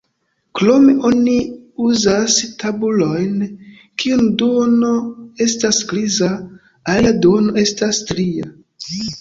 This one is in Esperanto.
Krome oni uzas tabulojn, kiun duono estas griza, alia duono estas stria.